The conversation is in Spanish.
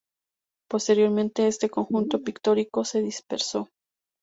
Posteriormente, este conjunto pictórico se dispersó.